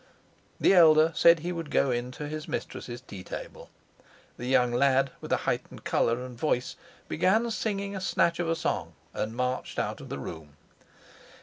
The elder said he would go in to his mistress's tea table. The young lad, with a heightened color and voice, began singing a snatch of a song, and marched out of the room.